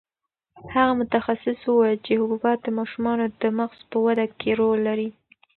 هغه متخصص وویل چې حبوبات د ماشومانو د مغز په وده کې رول لري.